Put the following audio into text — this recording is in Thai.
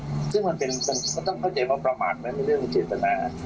ซึ่งมันก็ต้องเข้าใจว่าประมาทไหมในเรื่องเจตนา